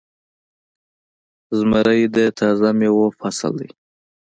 زمری د تازه میوو فصل دی.